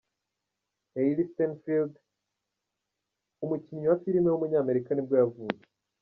Hailee Steinfield, umukinnyi wa filime w’umunyamerika nibwo yavutse.